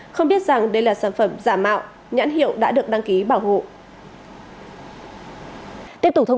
không biết rằng đây là sản phẩm giả mạo nhãn hiệu đã được đăng ký bảo hộ